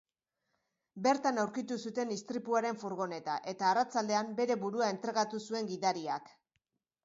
Bertan aurkitu zuten istripuaren furgoneta, eta arratsaldean bere burua entregatu zuen gidariak.